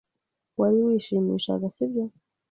Wari wishimishaga, si byo?